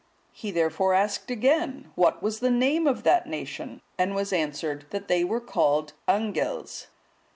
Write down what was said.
He therefore again asked, what was the name of that nation? and was answered, that they were called Angles.